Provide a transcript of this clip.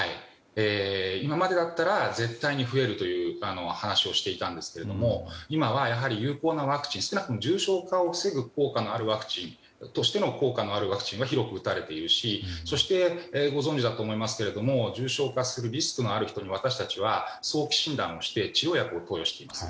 今までだったら絶対に増えるという話をしていたんですが今は有効なワクチン少なくとも重症化を防ぐ効果があるワクチンは広く打たれているしそして、ご存じだと思いますが重症化するリスクのある人たちに私たちは早期診断をして治療薬を投与しています。